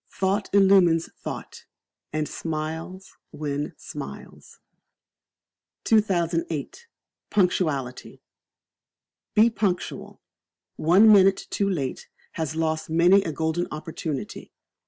Thought illumines thought, and smiles win smiles. 2008. Punctuality. Be Punctual. One minute too late has lost many a golden opportunity.